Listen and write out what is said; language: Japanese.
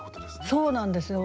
そうなんですよ。